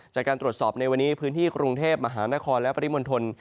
จากการตรวจสอบในวันนี้พื้นที่กรุงเทพมหานครและปริมณฑล